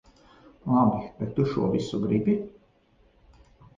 Labi, bet tu šo visu gribi?